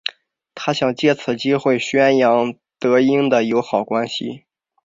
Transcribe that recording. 他想借此机会宣扬德英的友好关系。